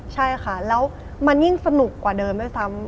ใช่ค่ะแล้วมันยิ่งสนุกกว่าเดิมด้วยซ้ำ